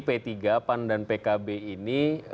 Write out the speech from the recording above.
p tiga pan dan pkb ini